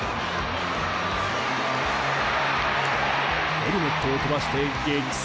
ヘルメットを飛ばして激走！